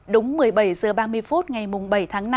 đúng một mươi bảy h ba mươi phút ngày bảy tháng năm